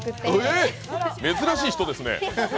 ええっ、珍しい人ですね。